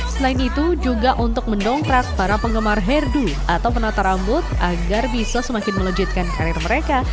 selain itu juga untuk mendongkrak para penggemar hairdo atau penata rambut agar bisa semakin melejitkan karir mereka